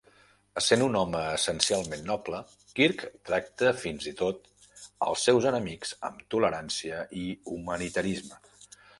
Essent un home essencialment noble, Kirk tracta fins i tot als seus enemics amb tolerància i humanitarisme.